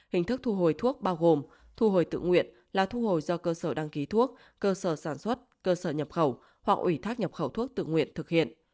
hình thức thu hồi thuốc bao gồm thu hồi tự nguyện là thu hồi do cơ sở đăng ký thuốc cơ sở sản xuất cơ sở nhập khẩu hoặc ủy thác nhập khẩu thuốc tự nguyện thực hiện